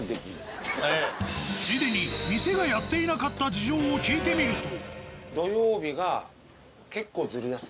ついでに店がやっていなかった事情を聞いてみると。